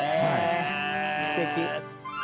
えすてき。